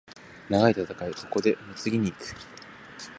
長い戦い、ここで担ぎに行く。